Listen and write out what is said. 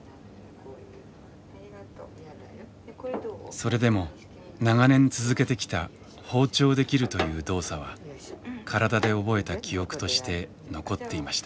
それでも長年続けてきた包丁で切るという動作は体で覚えた記憶として残っていました。